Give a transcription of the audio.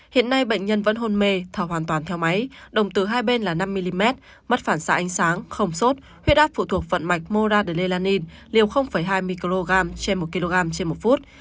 hiện nay bệnh nhân vẫn hôn mê thở hoàn toàn theo máy đồng từ hai bên là năm mm mất phản xạ ánh sáng không sốt huyết áp phụ thuộc phần mạch mora dellain liều hai microgram trên một kg trên một phút